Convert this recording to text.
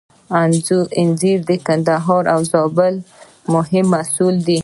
انځر د کندهار او زابل مهم محصول دی.